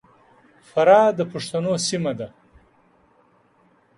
فراه د پښتنو سیمه ده.